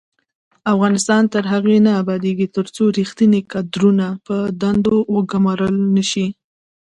افغانستان تر هغو نه ابادیږي، ترڅو ریښتیني کادرونه په دندو وګمارل نشي.